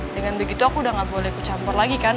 dengan begitu aku udah gak boleh kucamper lagi kan